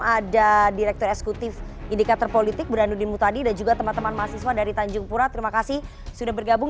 ada direktur eksekutif indikator politik burhanuddin mutadi dan juga teman teman mahasiswa dari tanjung pura terima kasih sudah bergabung